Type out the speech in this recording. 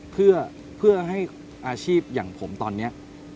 เพื่อให้อาชีพอย่างผมตอนนี้